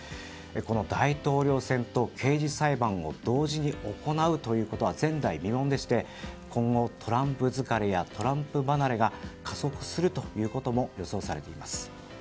この大統領選と刑事裁判を同時に行うことは前代未聞でして今後、トランプ疲れやトランプ離れが加速することも予想されています。